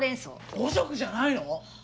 五色じゃないの？